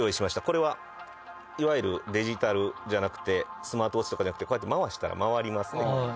これはいわゆるデジタルじゃなくてスマートウオッチとかじゃなくて回したら回りますね。